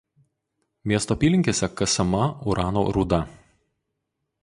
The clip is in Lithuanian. Miesto apylinkėse kasama urano rūda.